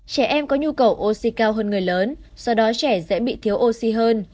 trẻ em có nhu cầu oxy cao hơn người lớn do đó trẻ dễ bị thiếu oxy hơn